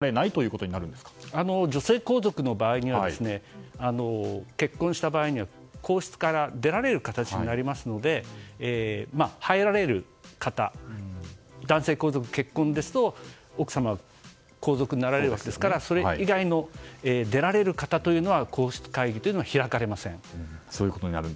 お相手も皇室に入るということで皇室会議ということは愛子さまがご結婚される場合には会議は開かれない女性皇族の場合には結婚した場合は皇室から出られる形になりますので入られる方男性皇族の結婚ですと奥様が皇族になられるわけですからそれ以外の出られる方というのは皇室会議というのは開かれません。